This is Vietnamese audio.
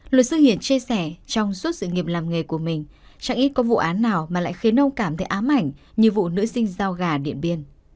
luật sư hiển chia sẻ trong suốt sự nghiệp làm nghề của mình chẳng ít có vụ án nào mà lại khiến ông cảm thấy ám ảnh như vụ nữ sinh giao gà điện biên